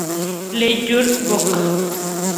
Lee Yur-Bok.